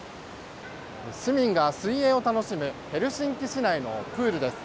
市民が水泳を楽しむヘルシンキ市内のプールです。